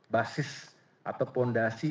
basis atau fondasi